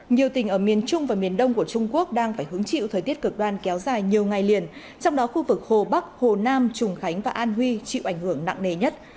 nhiều tỉnh ở miền trung và miền đông của trung quốc đang phải hứng chịu thời tiết cực đoan kéo dài nhiều ngày liền trong đó khu vực hồ bắc hồ nam trùng khánh và an huy chịu ảnh hưởng nặng nề nhất